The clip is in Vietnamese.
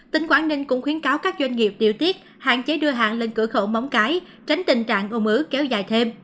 tỉnh quảng ninh cũng khuyến cáo các doanh nghiệp điều tiết hạn chế đưa hàng lên cửa khẩu móng cái tránh tình trạng ô ứ kéo dài thêm